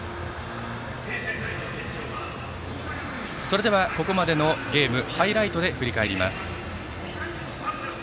それでは、ここまでのゲームをハイライトで振り返ります。